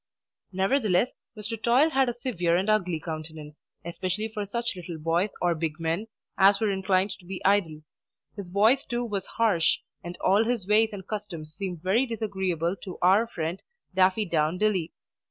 Nevertheless, Mr. Toil had a severe and ugly countenance, especially for such little boys or big men as were inclined to be idle; his voice, too, was harsh; and all his ways and customs seemed very disagreeable to our friend Daffydowndilly.